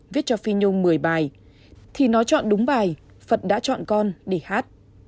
viết cho phi nhung một mươi bài thì nó chọn đúng bài phật đã chọn con để hát